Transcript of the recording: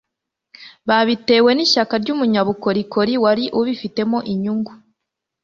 babitewe n'ishyaka ry'umunyabukorikori wari ubifitemo inyungu